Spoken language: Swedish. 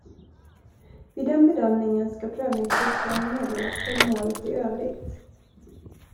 Vid den bedömningen ska prövningstillstånd meddelas för målet i övrigt.